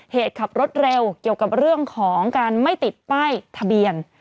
เหตุขับรถเร็วเกี่ยวกับเรื่องของการไม่ติดป้ายทะเบียน